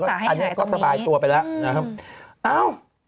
อันนี้ก็ทับสนตัวไปแล้ว